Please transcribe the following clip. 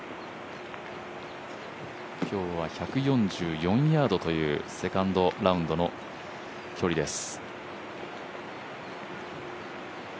今日は１４４ヤードというセカンドラウンドの距離です。